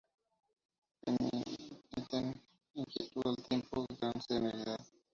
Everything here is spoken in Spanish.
Emiten inquietud y al tiempo gran serenidad.